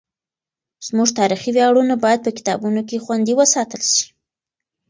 زموږ تاریخي ویاړونه باید په کتابونو کې خوندي وساتل سي.